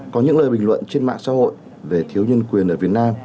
có những lời bình luận trên mạng xã hội về thiếu nhân quyền ở việt nam